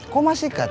kok masih kecil